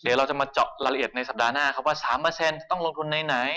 เดี๋ยวเราจะมาเจาะรายละเอียดในสัปดาห์หน้าครับว่า๓จะต้องลงทุนไหน